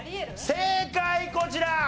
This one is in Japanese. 正解こちら！